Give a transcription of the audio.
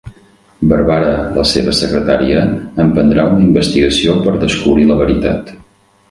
Barbara, la seva secretària, emprendrà una investigació per descobrir la veritat.